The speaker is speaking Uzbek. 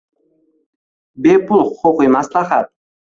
Bepul huquqiy maslahat